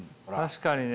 確かにね。